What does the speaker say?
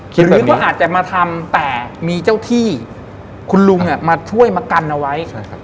หรือว่าอาจจะมาทำแต่มีเจ้าที่คุณลุงมาช่วยมากันเอาไว้